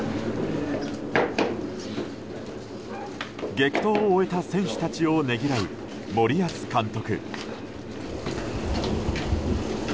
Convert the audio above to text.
激闘を終えた選手たちをねぎらう森保監督。